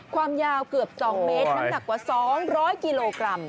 ความยาวเกือบ๒เมตรน้ำหนักกว่า๒๐๐กิโลกรัม